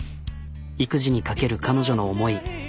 育児にかける彼女の思い。